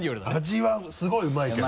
味はすごいうまいけど。